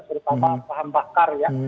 terutama paham bakar ya